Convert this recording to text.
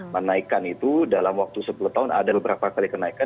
menaikkan itu dalam waktu sepuluh tahun ada beberapa kali kenaikan